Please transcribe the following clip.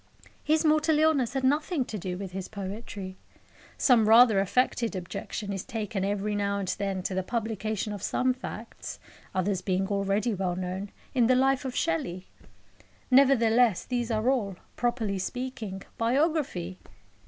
His mortal illness had nothing to do with his poetry. Some rather affected objection is taken every now and then to the publication of some facts (others being already well known) in the life of Shelley. Nevertheless, these are all, properly speaking, biography.